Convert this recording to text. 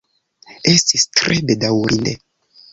Estis tre bedaŭrinde.